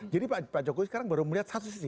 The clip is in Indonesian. jadi pak jokowi sekarang baru melihat satu sisi